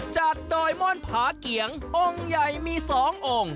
จากโดยม่อนผ่าเกี่ยงองค์ใหญ่มี๒องค์